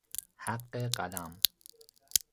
حق قلم